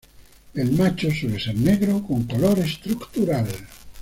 El macho suele ser negro con color estructural.